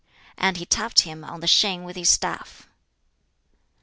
And he tapped him on the shin with his staff.